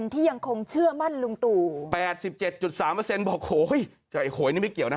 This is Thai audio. ที่ยังคงเชื่อมั่นลุงตู่๘๗๓บอกโหยนี่ไม่เกี่ยวนะ